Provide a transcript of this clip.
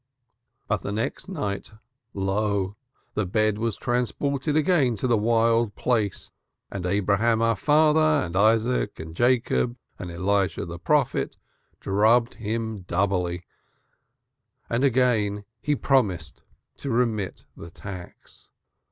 But the next night lo! the bed was transported again to the wild place and Abraham our father, and Isaac and Jacob, and Elijah the prophet drubbed him doubly and again he promised to remit the tax.